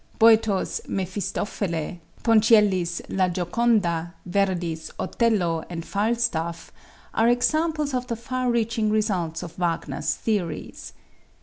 Boito's "Mefistofele," Ponchielli's "La Gioconda," Verdi's "Otello" and "Falstaff," are examples of the far reaching results of Wagner's theories.